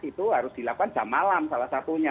itu harus dilakukan jam malam salah satunya